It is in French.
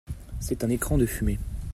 C’est un écran de fumée